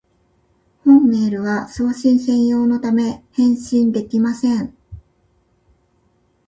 本メールは送信専用のため、返信できません